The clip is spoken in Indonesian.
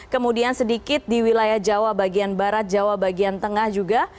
kemudian sedikit di wilayah jawa bagian barat jawa bagian tengah juga